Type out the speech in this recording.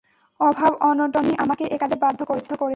অভাব-অনটনই আমাকে এ কাজে বাধ্য করেছে।